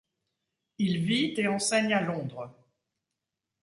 Il vit et enseigne à Londres.